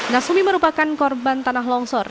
nasumi merupakan korban tanah longsor